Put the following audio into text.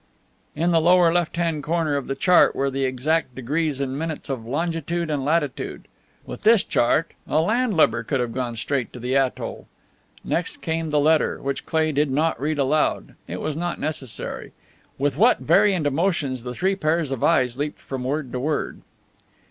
In the lower left hand corner of the chart were the exact degrees and minutes of longitude and latitude. With this chart a landlubber could have gone straight to the atoll. Next came the letter, which Cleigh did not read aloud it was not necessary. With what variant emotions the three pairs of eyes leaped from word to word!